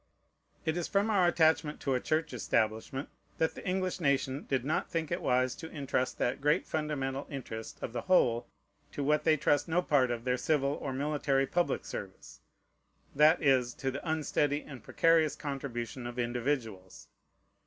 It is from our attachment to a Church establishment, that the English nation did not think it wise to intrust that great fundamental interest of the whole to what they trust no part of their civil or military public service, that is, to the unsteady and precarious contribution of individuals.